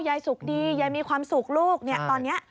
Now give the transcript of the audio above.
ยายสุขดียายมีความสุขลูกเนี่ยตอนนี้